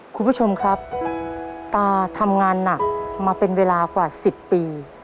คุณผู้ชมครับตาทำงานหนักมาเป็นเวลากว่า๑๐ปี